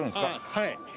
はい。